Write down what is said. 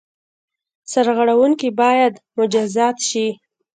سرغړوونکي باید مجازات شي.